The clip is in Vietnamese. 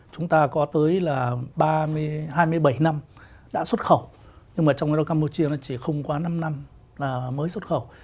chúng ta có tới hai mươi bảy năm đã xuất khẩu nhưng trong campuchia chỉ không quá năm năm mới xuất khẩu